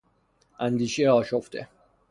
اندیشهی آشفته